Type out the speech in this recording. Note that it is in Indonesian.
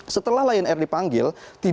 setelah lion air dipanggil